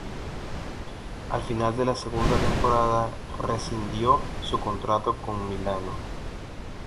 Al final de la segunda temporada rescindió su contrato con Milano.